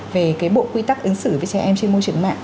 về cái bộ quy tắc ứng xử với trẻ em trên môi trường mạng